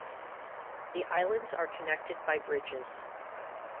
The islands are connected by bridges.